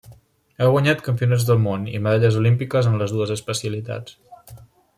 Ha guanyat Campionats del món i medalles olímpiques en les dues especialitats.